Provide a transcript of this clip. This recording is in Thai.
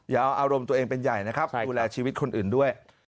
อารมณ์ตัวเองเป็นใหญ่นะครับดูแลชีวิตคนอื่นด้วย